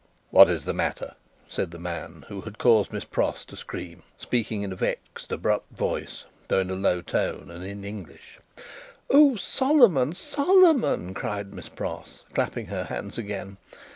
"What is the matter?" said the man who had caused Miss Pross to scream; speaking in a vexed, abrupt voice (though in a low tone), and in English. "Oh, Solomon, dear Solomon!" cried Miss Pross, clapping her hands again.